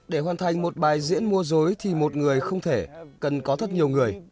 để hoàn thành một bài diễn mua dối thì một người không thể cần có thật nhiều người